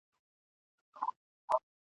کرۍ ورځ به پر باوړۍ نه ګرځېدلای ..